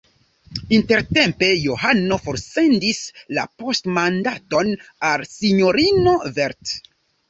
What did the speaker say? Intertempe Johano forsendis la poŝtmandaton al sinjorino Velt.